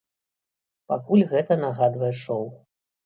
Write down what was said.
Пакуль гэта нагадвае шоў.